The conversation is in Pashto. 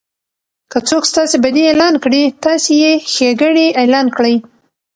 که څوک ستاسي بدي اعلان کړي؛ تاسي ئې ښېګړني اعلان کړئ!